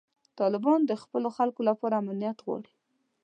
طالبان د خپلو خلکو لپاره امنیت غواړي.